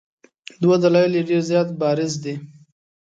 دوه دلایل یې ډېر زیات بارز دي.